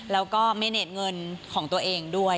แล้วก็เมเนตเงินของตัวเองด้วย